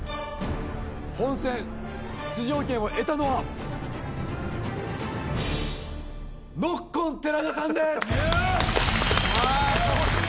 本戦出場権を得たのはノッコン寺田さんです！